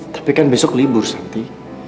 tapi kan besok libur nanti